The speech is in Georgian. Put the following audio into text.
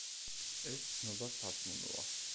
ეს ცნობა სარწმუნოა.